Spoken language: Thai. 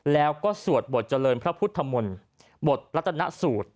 แล้วก็สวดบทเจริญพระพุทธมนต์บทรัฐนสูตร